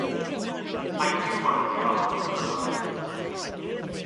“Ai tiwmor ydy o?” gofynnodd.